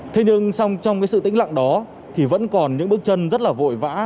thế nhưng trong cái sự tĩnh lặng đó thì vẫn còn những bước chân rất là vội vã